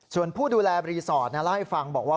ส่วนผู้ดูแลรีสอร์ทเล่าให้ฟังบอกว่า